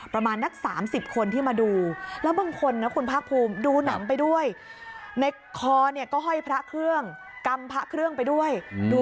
ประมาณนัก๓๐คนที่มาดูแล้วบางคนนะคุณพรรคภูมิดูหนังไปด้วย